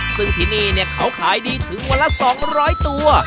ซึ่งที่นี่เขาขายดีถึงวันละ๒๐๐ตัว